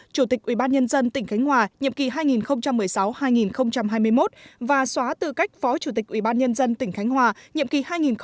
chủ tịch ubnd tỉnh khánh hòa nhiệm kỳ hai nghìn một mươi sáu hai nghìn hai mươi một và xóa tư cách phó chủ tịch ubnd tỉnh khánh hòa nhiệm kỳ hai nghìn một mươi sáu hai nghìn hai mươi